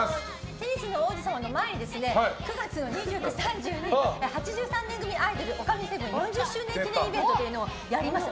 「テニスの王子様」の前に９月２９、３０に８３年組アイドル、お神セブン４０周年イベントというのをやります。